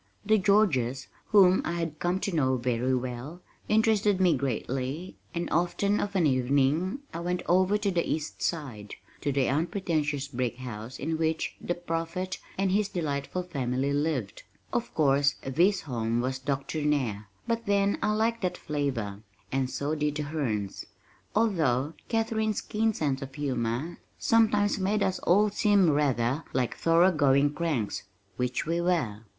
The Georges, whom I had come to know very well, interested me greatly and often of an evening I went over to the East Side, to the unpretentious brick house in which The Prophet and his delightful family lived. Of course this home was doctrinaire, but then I liked that flavor, and so did the Hernes, although Katharine's keen sense of humor sometimes made us all seem rather like thorough going cranks which we were.